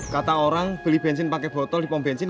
kata orang beli bensin pakai botol dipom bensin